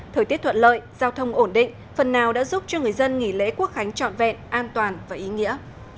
thời tiết thuận lợi giao thông ổn định phần nào đã giúp cho người dân nghỉ lễ quốc khánh trọn vẹn an toàn và ý nghĩa